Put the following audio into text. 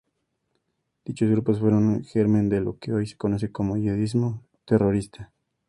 Dichos grupos fueron el germen de lo que hoy se conoce como yihadismo terrorista.